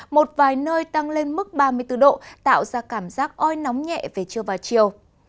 một vài nơi tăng lên mức ba mươi bốn độ tạo ra cảm giác oi nóng nhẹ về trưa và chiều